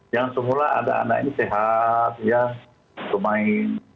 yang semula ada anak ini sehat ya lumayan